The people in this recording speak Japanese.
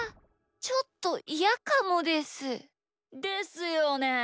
ちょっとイヤかもです。ですよね。